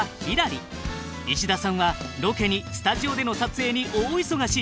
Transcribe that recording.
石田さんはロケにスタジオでの撮影に大忙し。